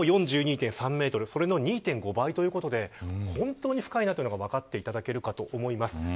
それの２．５倍ということで本当に深いというのが分かっていただけると思います。